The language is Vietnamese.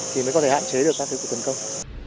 thì mới có thể hạn chế được các cuộc tấn công